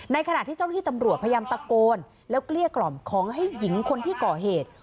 ขณะที่เจ้าหน้าที่ตำรวจพยายามตะโกนแล้วเกลี้ยกล่อมขอให้หญิงคนที่ก่อเหตุ